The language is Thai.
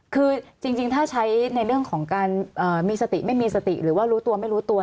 คือจริงถ้าใช้ในเรื่องของการมีสติไม่มีสติหรือว่ารู้ตัวไม่รู้ตัว